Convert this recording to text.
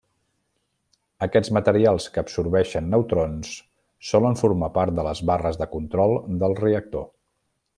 Aquests materials que absorbeixen neutrons solen formar part de les barres de control del reactor.